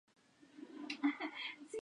Fue parte de la llamada Guerra Grande.